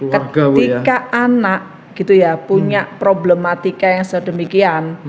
ketika anak punya problematika yang sedemikian